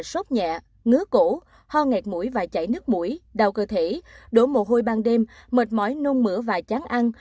sốt nhẹ ngứa cổ ho ngạt mũi và chảy nước mũi đau cơ thể đổ mồ hôi ban đêm mệt mỏi nung mửa và chán ăn